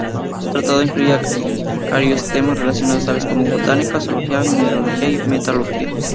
Su tratado incluía carios temas relacionados tales como botánica, zoología, mineralogía, y metalurgia.